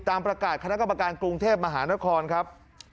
ตามประกาศคณะกรรมการกรุงเทพมหานครครับ